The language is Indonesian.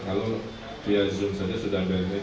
kalau via zoom saja sudah banyak